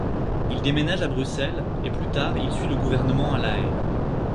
Il déménage à Bruxelles et plus tard il suit le gouvernement à La Haye.